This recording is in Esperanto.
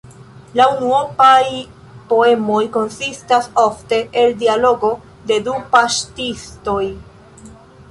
La unuopaj poemoj konsistas ofte el dialogo de du paŝtistoj.